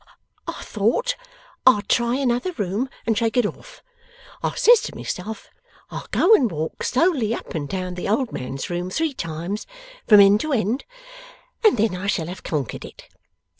I thought I'd try another room, and shake it off. I says to myself, "I'll go and walk slowly up and down the old man's room three times, from end to end, and then I shall have conquered it."